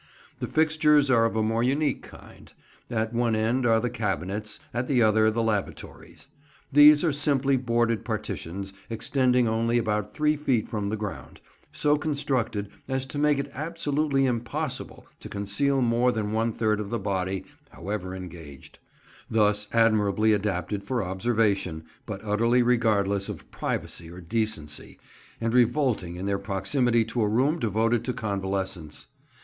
The fixtures are of a more unique kind; at one end are the cabinets, at the other the lavatories. These are simply boarded partitions, extending only about three feet from the ground—so constructed as to make it absolutely impossible to conceal more than one third of the body, however engaged; thus admirably adapted for observation, but utterly regardless of privacy or decency, and revolting in their proximity to a room devoted to convalescents.